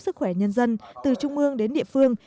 sức khỏe nhân dân từ trung ương đến địa phương